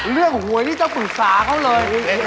เรื่องหวยนี่ต้องปรึกษาเค้าเลย